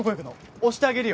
押してあげるよ。